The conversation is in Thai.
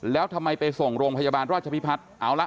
แล้วทำไมไปส่งโรงพยาบาลราชพิพัฒน์เอาละ